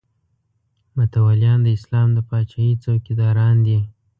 متولیان د اسلام د پاچاهۍ څوکیداران دي.